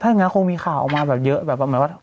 ถ้าอย่างนี้คงมีข่าวออกมาเยอะแบบ